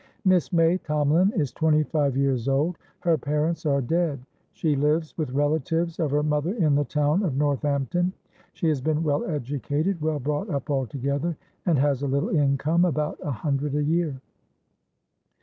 "Miss May Tomalin is twenty five years old. Her parents are dead. She lives with relatives of her mother in the town of Northampton. She has been well educated, well brought up altogether, and has a little incomeabout a hundred a year."